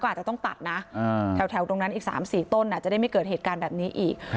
อาจจะต้องตัดนะแถวตรงนั้นอีก๓๔ต้นจะได้ไม่เกิดเหตุการณ์แบบนี้อีก